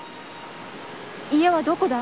家はどこだ？